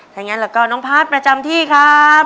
ถ้างั้นแล้วก็น้องพาร์ทประจำที่ครับ